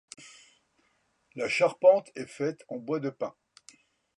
La charpente est faite en bois de pin.